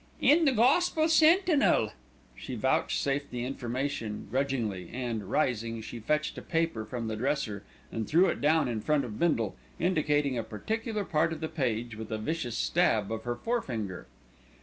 "In The Gospel Sentinel." She vouchsafed the information grudgingly and, rising, she fetched a paper from the dresser and threw it down in front of Bindle, indicating a particular part of the page with a vicious stab of her fore finger.